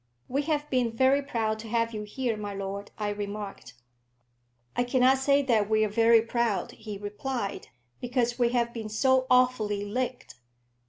"We have been very proud to have you here, my lord," I remarked. "I cannot say that we are very proud," he replied, "because we have been so awfully licked.